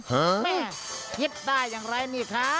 แม่คิดได้อย่างไรนี่คะ